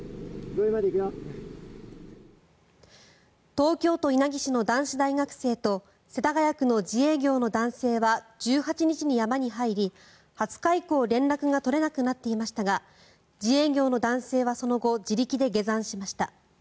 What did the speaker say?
東京都稲城市の男子大学生と世田谷区の自営業の男性は１８日に山に入り２０日以降、連絡が取れなくなっていましたが自営業の男性はその後、自力で下山しました。